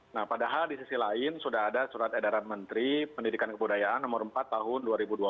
nah padahal di sisi lain sudah ada surat edaran menteri pendidikan kebudayaan nomor empat tahun dua ribu dua puluh